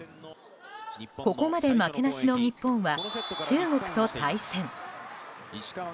ここまで負けなしの日本は中国と対戦。